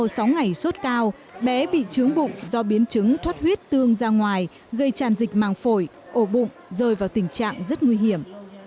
sau sáu ngày sốt cao bé bị trướng bụng do biến chứng thoát huyết tương ra ngoài gây tràn dịch màng phổi ổ bụng rơi vào tình trạng rất nguy hiểm